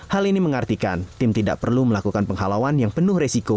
hal ini mengartikan tim tidak perlu melakukan penghalauan yang penuh resiko